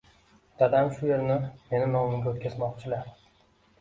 Dadam shu yerni meni nomimga oʼtkazmoqchilar.